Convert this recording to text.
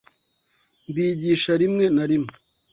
mbigisha rimwe na rimwe